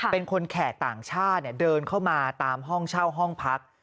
เป็นคนแขกต่างชาติเดินเข้ามาตามห้องเช่าห้องพัก